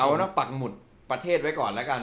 เอานะปักหมุดประเทศไว้ก่อนแล้วกัน